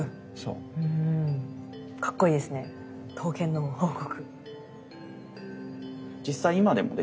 うんかっこいいですね刀剣の王国。